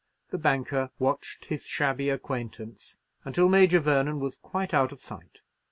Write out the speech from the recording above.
The banker watched his shabby acquaintance until Major Vernon was quite out of sight.